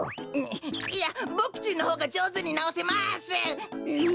いやボクちんのほうがじょうずになおせます！